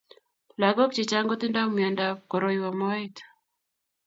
Yakok che chang kotindo mwiondo ab korwai moet